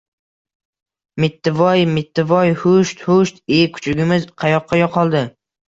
– Mittivoooy! Mittivoooy! Husht, husht! Iy, kuchugimiz qayoqqa yo‘qoldi?